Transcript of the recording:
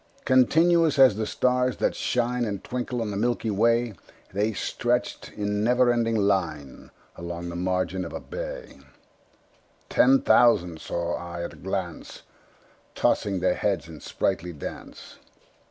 Continuous as the stars that shine And twinkle on the milky way, The stretched in never ending line Along the margin of a bay: Ten thousand saw I at a glance, Tossing their heads in sprightly dance.